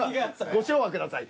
ご唱和ください。